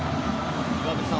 岩渕さん